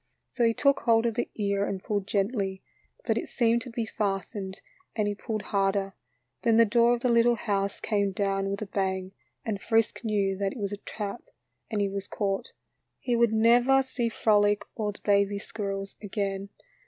So he took hold of the ear and pulled gently, but it seemed to be fastened and he pulled harder, then the door of the little house came down with a bang, and Frisk knew that it was a trap and he was caught. He never would see Frolic or the baby squirrels again.